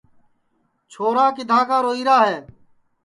چھورا کِدھاں کا روئیرا ہے